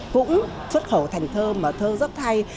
cũng xuất khẩu thành thơ mà thơ rất hay